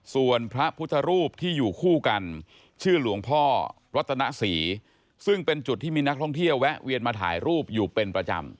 ส่วนพระพุทธรูปที่อยู่คู่กันชื่อหลวงพ่อรัตนศรีซึ่งเป็นจุดที่มีนักท่องเที่ยวแวะเวียนมาถ่ายรูปอยู่เป็นประจำ